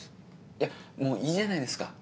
いやもういいじゃないですか。